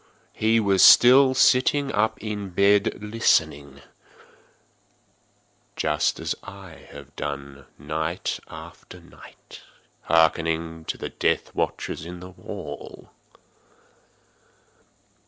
He was still sitting up in the bed listening;—just as I have done, night after night, hearkening to the death watches in the wall.